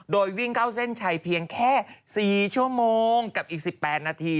โดยวิ่งเข้าเส้นชัยเพียงแค่๔ชั่วโมงกับอีก๑๘นาที